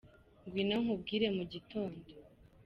Ngwino nkubwire mugitondo